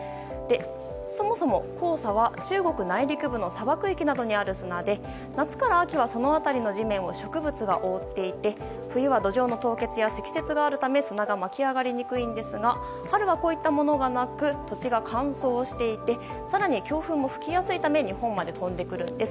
そもそも黄砂は中国内陸部の砂漠域などにある砂で夏から秋はその辺りの地面を植物が地面を覆っていて冬は土壌の凍結や積雪があるため砂が巻き上がりにくいんですが春はこういったものがなく土地が乾燥していて更に、強風も吹きやすいため日本まで飛んでくるんです。